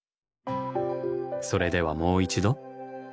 それではもう一度。